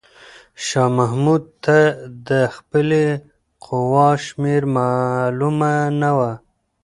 شاه محمود ته د خپلې قواوو شمېر معلومه نه و.